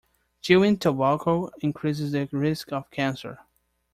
Chewing tobacco increases the risk of cancer.